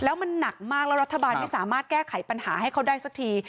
แล้วมันหนักมากแล้วรัฐบาลไม่สามารถแก้ไขปัญหาให้เขาได้สักที